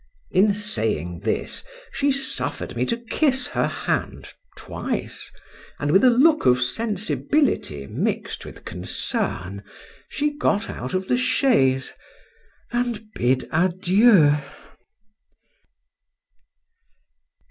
In saying this, she suffered me to kiss her hand twice, and with a look of sensibility mixed with concern, she got out of the chaise,—and bid adieu.